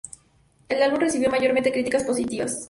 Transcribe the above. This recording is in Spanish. El álbum recibió mayormente críticas positivas.